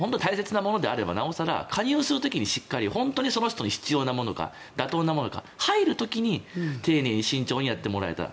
保険も大切なものであればなお更加入する時に本当にその人に必要なものか妥当なものか入る時に丁寧に慎重にやってもらえたら。